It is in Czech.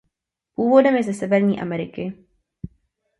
Původem je ze Severní Ameriky.